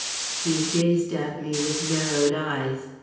He gazed at me with narrowed eyes.